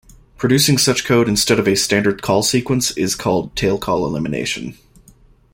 Producing such code instead of a standard call sequence is called tail call elimination.